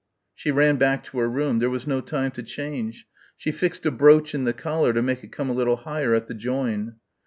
She ran back to her room. There was no time to change. She fixed a brooch in the collar to make it come a little higher at the join.